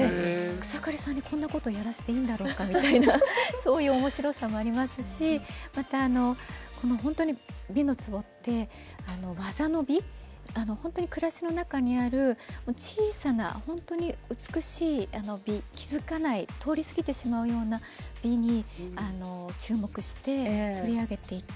草刈さんに、こんなことやらせていいのだろうかとそういうおもしろさもありますしまた、本当に「美の壺」って技の美、本当に暮らしの中にある小さな本当に美しい美気付かない通り過ぎてしまうような美に注目して、取り上げていて。